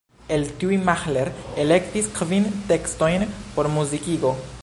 El tiuj Mahler elektis kvin tekstojn por muzikigo.